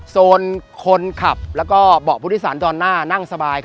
โซนคนขับและเบาะพุทธศาลตอนหน้านั่งสบาย